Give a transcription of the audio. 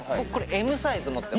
Ｍサイズ持ってる？